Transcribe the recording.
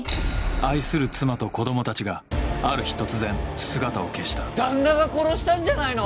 愛する妻と子供たちがある日突然姿を消した旦那が殺したんじゃないの？